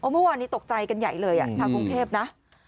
เมื่อวานนี้ตกใจกันใหญ่เลยชาวกรุงเทพนะ